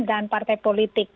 dan partai politik